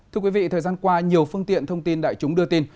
thưa quý vị thời gian qua nhiều phương tiện thông tin đại chúng đưa tin